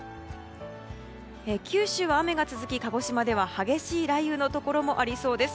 九州は雨が続き鹿児島では激しい雷雨のところもありそうです。